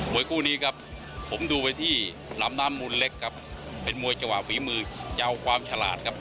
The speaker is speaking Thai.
คู่นี้ครับผมดูไปที่ลำน้ำมูลเล็กครับเป็นมวยจังหวะฝีมือจะเอาความฉลาดครับ